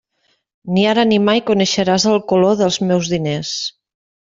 Ni ara ni mai coneixeràs el color dels meus diners.